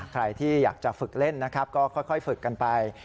ใครที่อยากจะฝึกเล่นนะครับก็ค่อยฝึกกันไป